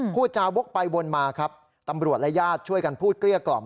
พูดจาวกไปวนมาครับตำรวจและญาติช่วยกันพูดเกลี้ยกล่อม